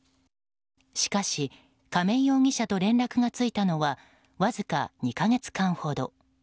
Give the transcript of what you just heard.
しかし、亀井容疑者と連絡がついたのはわずか２か月間ほど。